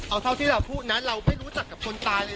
เอาเท่าที่เราพูดนะเราไม่รู้จักกับคนตายเลย